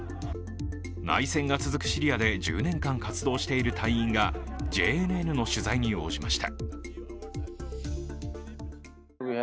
内戦が続くシリアで１０年間活動している隊員がＪＮＮの取材に応じました。